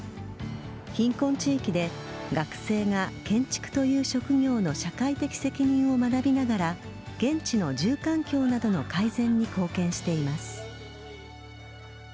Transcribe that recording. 貧困地域で学生が建築という職業の社会的責任を学びながら現地の住環境などの改善に貢献しています。